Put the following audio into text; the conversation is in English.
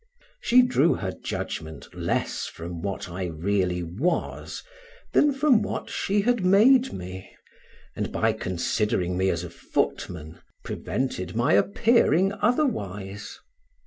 She drew her judgment less from what I really was, than from what she had made me, and by considering me as a footman prevented my appearing otherwise.